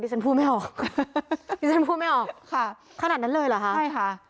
ฉันพูดไม่ออกดิฉันพูดไม่ออกค่ะขนาดนั้นเลยเหรอคะใช่ค่ะ